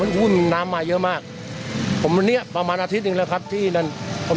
เว่นวุ่นน้ำมาย้อมากผมเนี้ยประมาณอาทิตย์หนึ่งแล้วครับที่นั่นผม